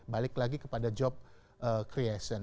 balik lagi kepada job creation